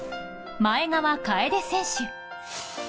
前川楓選手。